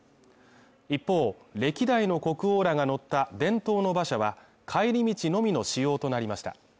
一方、歴代の国王らが乗った伝統の馬車は帰り道のみの使用となりました。